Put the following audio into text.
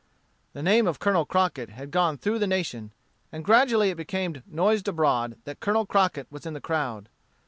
The name of Colonel Crockett had gone through the nation; and gradually it became noised abroad that Colonel Crockett was in the crowd.